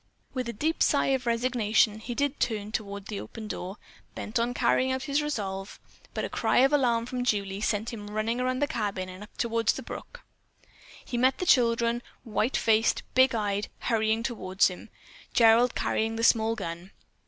With a deep sigh of resignation, he did turn toward the open door, bent on carrying out his resolve, but a cry of alarm from Julie sent him running around the cabin and up toward the brook. He met the children, white faced, big eyed, hurrying toward him, Gerald carrying the small gun.